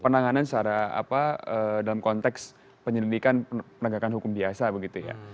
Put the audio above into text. penanganan secara apa dalam konteks penyelidikan penegakan hukum biasa begitu ya